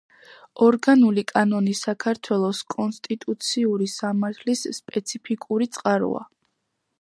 ორგანული კანონი საქართველოს კონსტიტუციური სამართლის სპეციფიკური წყაროა.